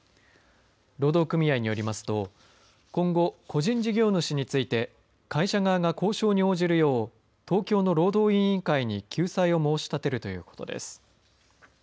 労働組合によりますと今後、個人事業主について会社側が交渉に応じるよう東京の労働委員会に救済を申し立てるということです。